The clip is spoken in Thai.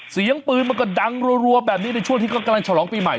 เสียงปืนมันก็ดังรัวแบบนี้ในช่วงที่เขากำลังฉลองปีใหม่